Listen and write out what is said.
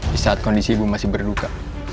di saat kondisi ibu masih berduka